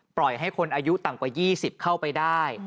ปล่อยให้คนอายุต่างกว่ายี่สิบเข้าไปได้